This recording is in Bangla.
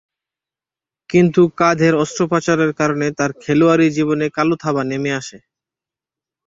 কিন্তু কাঁধের অস্ত্রোপচারের কারণে তার খেলোয়াড়ী জীবনে কালো থাবা নেমে আসে।